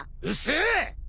うっせえ！